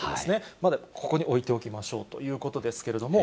まだここに置いておきましょうということですけれども。